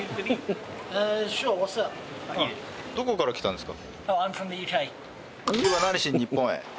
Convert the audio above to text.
どこから来たんですか？